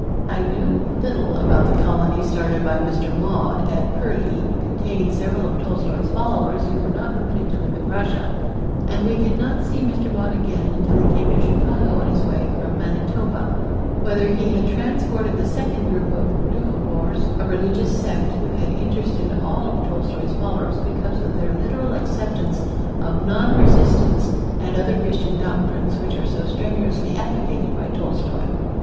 I knew little about the colony started by Mr. Maude at Purleigh containing several of Tolstoy's followers who were not permitted to live in Russia, and we did not see Mr. Maude again until he came to Chicago on his way from Manitoba, whither he had transported the second group of Dukhobors, a religious sect who had interested all of Tolstoy's followers because of their literal acceptance of non resistance and other Christian doctrines which are so strenuously advocated by Tolstoy.